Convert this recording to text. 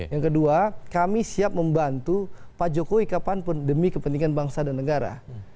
yang kedua kami siap membantu pak jokowi kapanpun demi kepentingan bangsa dan negara